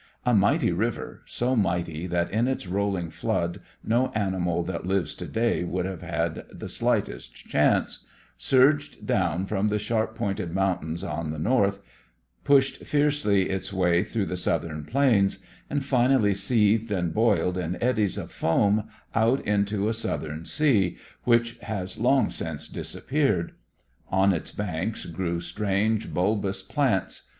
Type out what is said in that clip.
A mighty river, so mighty that in its rolling flood no animal that lives to day would have had the slightest chance, surged down from the sharp pointed mountains on the north, pushed fiercely its way through the southern plains, and finally seethed and boiled in eddies of foam out into a southern sea which has long since disappeared. On its banks grew strange, bulbous plants.